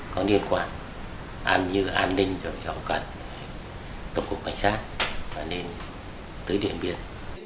có liên quan như an ninh hậu cận tổng cục cảnh sát và lên tới điện biên